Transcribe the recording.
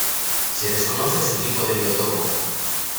Se desconoce su tipo de biotopo.